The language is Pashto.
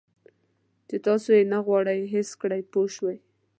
چې تاسو یې نه غواړئ حس کړئ پوه شوې!.